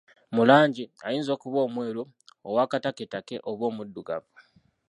Mu langi, ayinza okuba omweru, owakatakketakke oba omuddugavu.